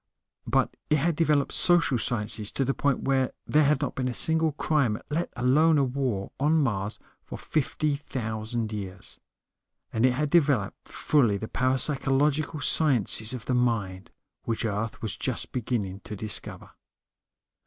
But it had developed social sciences to the point where there had not been a single crime, let alone a war, on Mars for fifty thousand years. And it had developed fully the parapsychological sciences of the mind, which Earth was just beginning to discover.